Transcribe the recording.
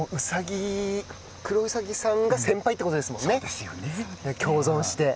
クロウサギさんが先輩ってことですもんね。